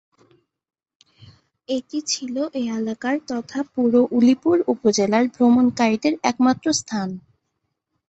এটি ছিল এ এলাকার তথা পুরো উলিপুর উপজেলার ভ্রমণকারীদের একমাত্র স্থান।